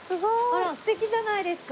あら素敵じゃないですか。